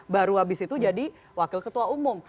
baru habis itu jadi wakil ketua umum